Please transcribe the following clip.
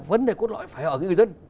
vấn đề quân loại phải ở người dân